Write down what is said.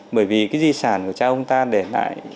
bởi vì cái di sản của cha ông ta để lại